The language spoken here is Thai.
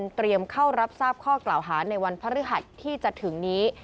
เข้ารับทราบข้อกล่าวหาในวันพฤหัสที่จะถึงนี้